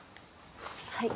はい。